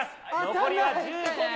残りは１５秒。